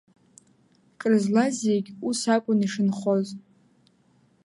Крызлаз зегь ус акәын ишынхоз.